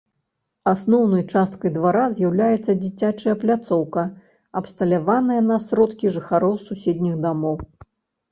Асноўнай часткай двара з'яўляецца дзіцячая пляцоўка, абсталяваная на сродкі жыхароў суседніх дамоў.